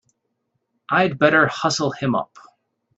I'd better hustle him up!